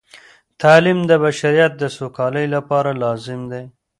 تعلیم د بشریت د سوکالۍ لپاره لازم دی.